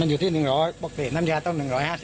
อยู่ที่๑๐๐ปกติน้ำยาต้อง๑๕๐